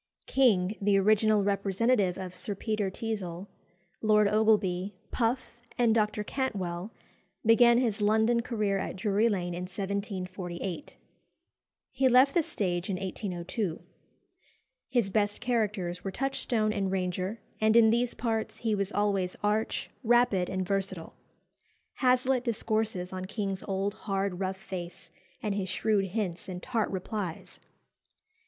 King, the original representative of Sir Peter Teazle, Lord Ogleby, Puff, and Dr. Cantwell, began his London career at Drury Lane in 1748. He left the stage in 1802. His best characters were Touchstone and Ranger, and in these parts he was always arch, rapid, and versatile. Hazlitt discourses on King's old, hard, rough face, and his shrewd hints and tart replies.